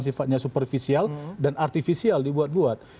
sifatnya superficial dan artificial dibuat buat